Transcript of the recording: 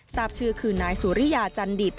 ทราบชื่อคือนายสุริยาจันดิต